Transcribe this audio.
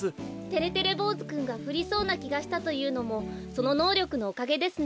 てれてれぼうずくんがふりそうなきがしたというのもそののうりょくのおかげですね。